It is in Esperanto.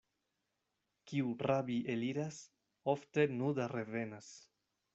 Kiu rabi eliras, ofte nuda revenas.